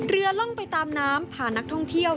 ล่องไปตามน้ำพานักท่องเที่ยว